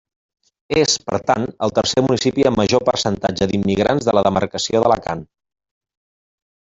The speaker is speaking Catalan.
És, per tant, el tercer municipi amb major percentatge d'immigrants de la demarcació d'Alacant.